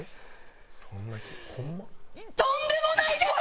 とんでもないです！